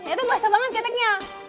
itu basah banget keteknya